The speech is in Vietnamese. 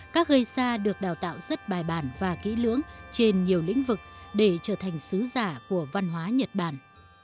các gây xa được đào tạo rất bài bản và kỹ lưỡng trên nhiều lĩnh vực để trở thành sứ giả của văn hóa nhật bản